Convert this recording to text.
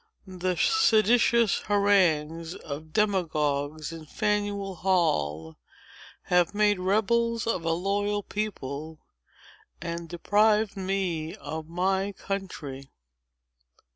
The seditious harangues of demagogues in Faneuil Hall, have made rebels of a loyal people, and deprived me of my country."